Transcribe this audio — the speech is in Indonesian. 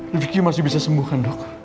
review masih bisa sembuh kan dok